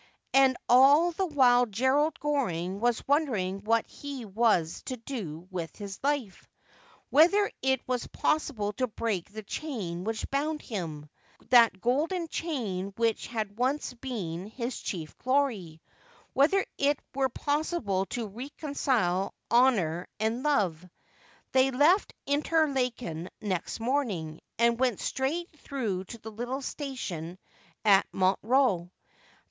And all the while Gerald Goring was wondering what he was to do with his life — whether it were possible to break the chain which bound him, that golden chain which had once been his chief glory — whether it were possible to reconcile honour and love. They left Interlaken next morning, and went straight through to the little station at Montreux.